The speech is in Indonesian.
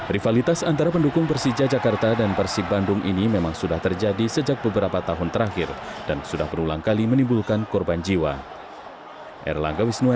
rivalitas antara pendukung persija jakarta dan persib bandung ini memang sudah terjadi sejak beberapa tahun terakhir dan sudah berulang kali menimbulkan korban jiwa